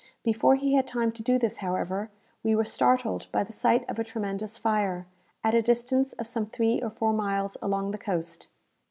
Before he had time to do this, however, we were startled by the sight of a tremendous fire, at a distance of some three or four miles along the coast.